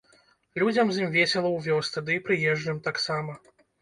Людзям з ім весела ў вёсцы, ды і прыезджым таксама.